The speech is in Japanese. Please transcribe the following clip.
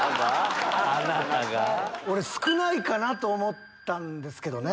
少ないかなと思ったんですけどね。